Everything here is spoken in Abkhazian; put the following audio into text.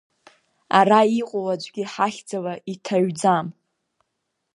Ара иҟоу аӡәгьы ҳахьӡала иҭаҩӡам.